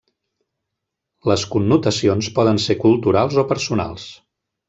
Les connotacions poden ser culturals o personals.